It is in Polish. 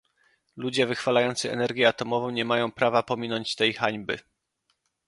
Ludzie wychwalający energię atomową nie mają prawa pominąć tej hańby